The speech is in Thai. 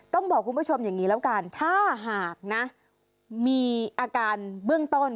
ต้องบอกคุณผู้ชมอย่างนี้แล้วกันถ้าหากนะมีอาการเบื้องต้น